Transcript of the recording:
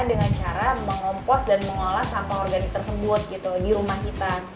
dengan cara mengompos dan mengolah sampah organik tersebut gitu di rumah kita